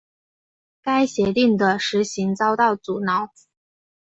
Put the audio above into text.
该协定的实行遭到阻挠。